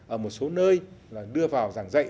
ở một số nơi là đưa vào giảng dạy